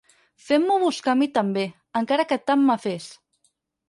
Fent-m'ho buscar a mi també, encara que tant me fes.